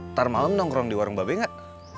ntar malem dong kurang di warung babi enggak